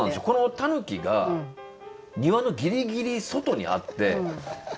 このタヌキが庭のギリギリ外にあって。